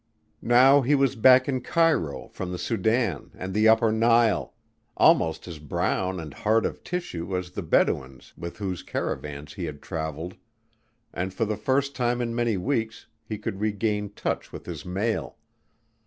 Now he was back in Cairo from the Sudan and the upper Nile, almost as brown and hard of tissue as the Bedouins with whose caravans he had traveled and for the first time in many weeks he could regain touch with his mail.